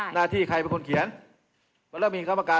สถานการณ์จะไม่ไปจนถึงขั้นนั้นครับ